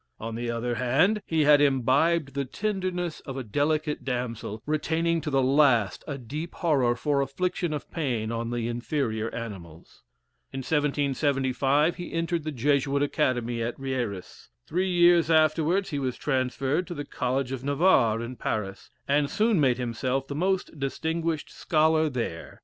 On the other hand, he had imbibed the tenderness of a delicate damsel, retaining to the last a deep horror for affliction pain on the inferior animals. In 1775, he entered the Jesuit Academy at Rheiras. Three years afterwards, he was transferred to the College of Navarre, in Paris, and soon made himself the most distinguished scholar there.